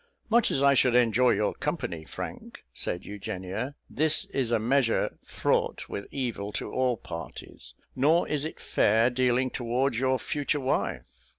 "Much as I should enjoy your company, Frank," said Eugenia, "this is a measure fraught with evil to all parties; nor is it fair dealing towards your future wife."